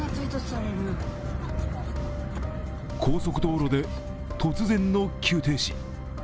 高速道路で突然の急停止。